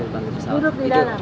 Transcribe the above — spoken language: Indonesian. duduk di dalam